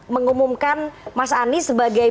mengumumkan mas anies sebagai